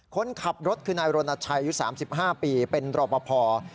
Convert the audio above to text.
คนขับรถคืนนายโรนัทชัยอยู่๓๕ปีเป็นรอบอภอร์